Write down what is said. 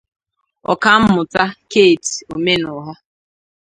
Ọkammụta Kate Omenugha